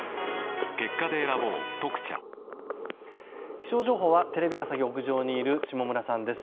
気象情報はテレビ朝日屋上にいる下村さんです。